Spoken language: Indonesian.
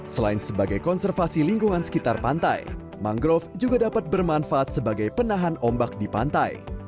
selain sebagai konservasi lingkungan sekitar pantai mangrove juga dapat bermanfaat sebagai penahan ombak di pantai